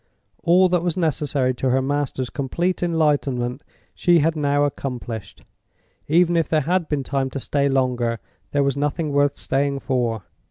All that was necessary to her master's complete enlightenment she had now accomplished. Even if there had been time to stay longer, there was nothing worth staying for.